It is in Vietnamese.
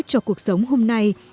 cho cuộc sống hôm nay